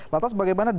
lantas bagaimana dengan